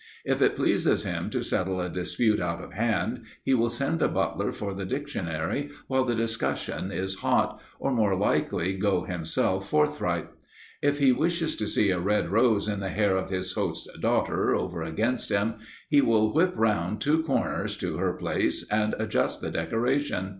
If it pleases him to settle a dispute out of hand, he will send the butler for the dictionary while the discussion is hot, or more likely go himself forthright. If he wishes to see a red rose in the hair of his host's daughter over against him, he will whip round two corners to her place, and adjust the decoration.